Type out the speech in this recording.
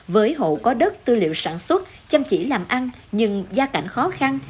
với hộ có đất tư liệu sản xuất chăm chỉ làm ăn nhưng gia cảnh khó khăn